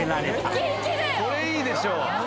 これいいでしょ！